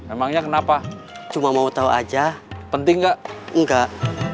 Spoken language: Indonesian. emangnya kenapa cuma mau hotel aja penting enggak enggak